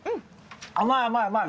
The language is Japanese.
甘い甘い甘い。